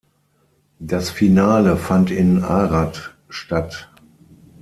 Das Finale fand in Arad statt.